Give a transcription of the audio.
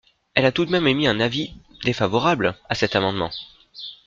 Elle a tout de même émis un avis – défavorable – à cet amendement.